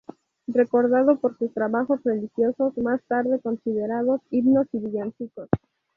Recordado por sus trabajos religiosos, más tarde considerados himnos y villancicos.